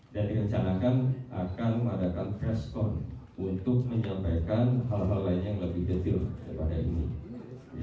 dan dikencanakan akan mengadakan press conference untuk menyampaikan hal hal lain yang lebih detail daripada ini